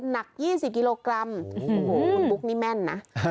หนัก๒๐กิโลกรัมโอ้โหคุณบุ๊กนี่แม่นนะ